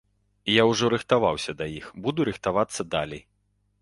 Я ўжо рыхтаваўся да іх, буду рыхтавацца далей.